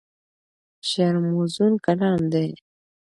شعر موزون کلام دی.